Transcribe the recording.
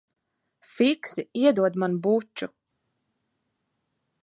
Fiksi iedod man buču.